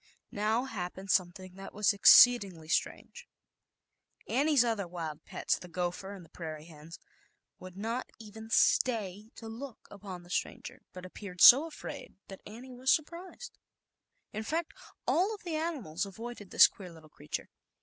Now hap pened something that was exceedingly strange. Annie's other wild pets, the gopher and the prairie hens, would not even stay to look upon the stranger, but appeared so afraid, that Annie was sur prised. In fact, all of the animals avoided this queer little creature.